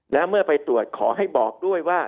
แล้วเมื่อไปตรวจขอให้บอกด้วยว่า